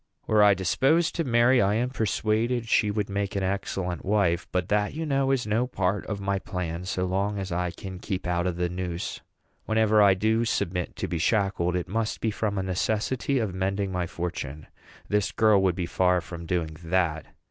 Were I disposed to marry, I am persuaded she would make an excellent wife; but that, you know, is no part of my plan, so long as I can keep out of the noose. Whenever I do submit to be shackled, it must be from a necessity of mending my fortune. This girl would be far from doing that.